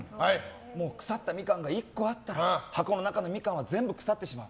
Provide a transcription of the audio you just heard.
もう腐ったミカンが１個あったら箱の中のミカンは全部腐ってしまう。